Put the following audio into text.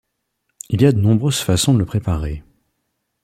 Il y a de nombreuses façons de le préparer.